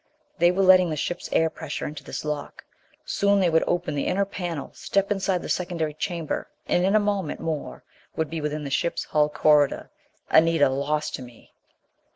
They were letting the ship's air pressure into this lock. Soon they would open the inner panel, step into the secondary chamber and in a moment more would be within the ship's hull corridor. Anita, lost to me!